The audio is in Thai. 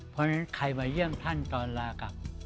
เพราะฉะนั้นใครมาเยี่ยมท่านตอนลากลับ